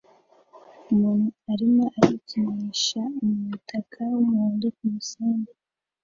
Umuntu arimo arikinisha umutaka wumuhondo kumusenyi